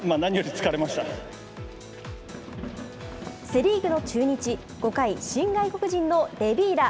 セ・リーグの中日、５回、新外国人のレビーラ。